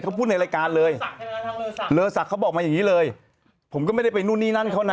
เขาพูดในรายการเลยเลอสักเขาบอกมาอย่างนี้เลยผมก็ไม่ได้ไปนู่นนี่นั่นเขานะ